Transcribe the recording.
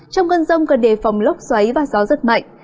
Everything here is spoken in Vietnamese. trong cơn rông cần đề phòng lốc xoáy và gió rất mạnh